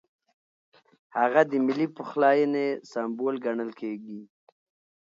هغه د ملي پخلاینې سمبول ګڼل کېږي.